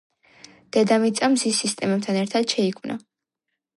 დედამიწა მზის სისტემებთან ერთად შეიქმნა.